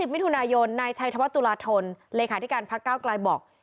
๓๐มิถุนายนนายชัยธวรรษตุราธลหลายขาดธิการพระเก้ากลายบอก